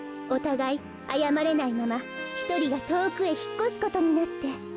おたがいあやまれないままひとりがとおくへひっこすことになって。